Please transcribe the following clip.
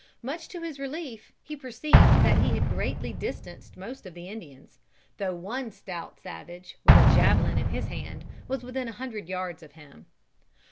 Much to his relief he perceived that he had greatly distanced most of the Indians, though one stout savage, with a javelin in his hand, was within a hundred yards of him.